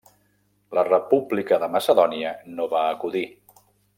La República de Macedònia no va acudir.